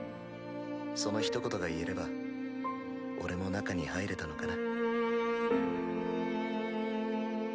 そのひと言が言えれば俺も中に入れたのかな？